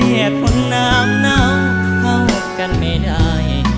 เหตุผลน้ำน้ำเผากันไม่ได้